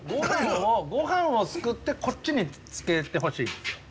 ごはんをすくってこっちにつけてほしいんすよ。